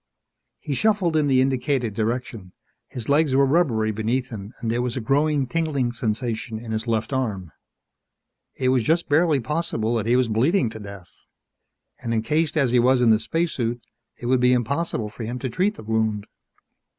_ He shuffled in the indicated direction. His legs were rubbery beneath him and there was a growing tingling sensation in his left arm. It was just barely possible that he was bleeding to death. And encased as he was in the spacesuit, it would be impossible for him to treat the wound.